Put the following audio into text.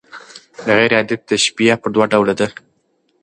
غير عادي تشبیه پر دوه ډوله ده.